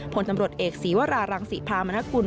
ผลตำรวจเอกศีวรารังศิพามนกุล